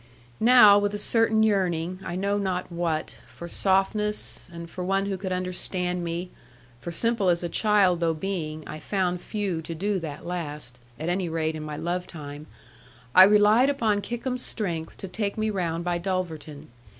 Now with a certain yearning, I know not what, for softness, and for one who could understand me for simple as a child though being, I found few to do that last, at any rate in my love time I relied upon Kickum's strength to take me round by Dulverton.